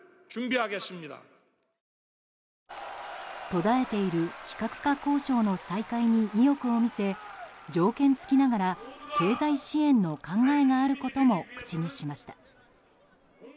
途絶えている非核化交渉の再開に意欲を見せ条件付きながら経済支援の考えがあることも口にしました。